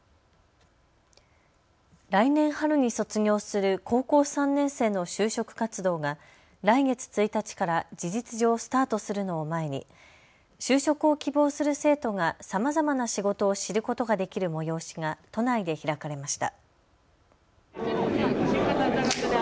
来年春に卒業する高校３年生の就職活動が来月１日から事実上、スタートするのを前に就職を希望する生徒がさまざまな仕事を知ることができる催しが都内で開かれました。